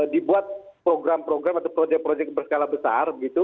dibuat program program atau projek projek berskala besar gitu